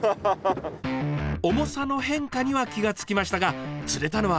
重さの変化には気が付きましたが釣れたのは足だけ。